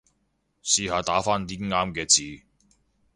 試下打返啲啱嘅字